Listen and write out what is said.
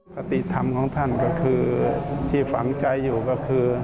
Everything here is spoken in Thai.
ปฏิธรรมของท่านก็คือที่ฝังใจอยู่ก็คือ